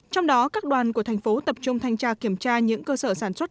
trong đó các đoàn của thành phố tập trung thanh tra kiểm tra những cơ sở sản xuất